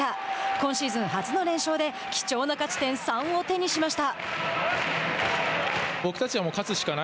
今シーズン初の連勝で貴重な勝ち点３を手にしました。